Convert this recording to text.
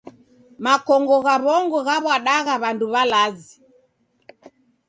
Makongo gha w'ongo ghaw'adagha w'andu w'alazi.